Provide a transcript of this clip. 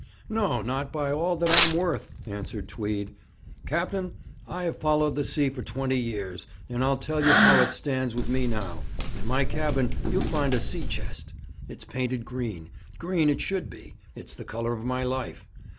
'No, not by all that I'm worth!' answered Tweed. 'Captain, I have followed the sea for twenty years, and I'll tell you how it stands with me now: in my cabin you'll find a sea chest; it's painted green green it should be; it's the colour of my life.